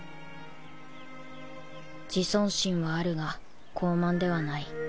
自尊心はあるが高慢ではない